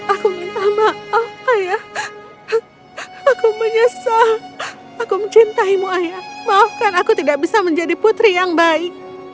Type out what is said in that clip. aku minta maaf ayah aku menyesal aku mencintaimu ayah maafkan aku tidak bisa menjadi putri yang baik